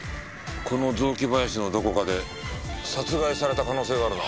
この雑木林のどこかで殺害された可能性があるな。